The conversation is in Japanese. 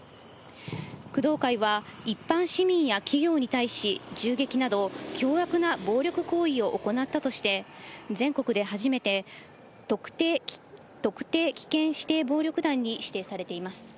工藤会は、一般市民や企業に対し、銃撃など、凶悪な暴力行為を行ったとして、全国で初めて、特定危険指定暴力団に指定されています。